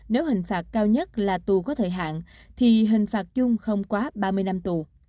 nếu hình phạt cao nhất là tù có thời hạn thì hình phạt chung không quá ba mươi năm tù